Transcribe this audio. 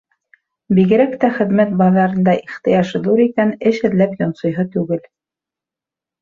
Бигерәк тә хеҙмәт баҙарында ихтыяж ҙур икән, эш эҙләп йонсойһо түгел.